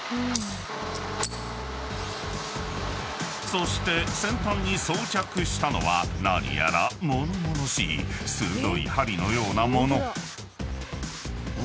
［そして先端に装着したのは何やら物々しい鋭い針のような物］